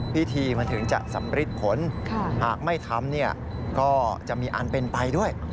พิธีมันถึงจะสำริดผลหากไม่ทำก็จะมีอันเป็นไปด้วย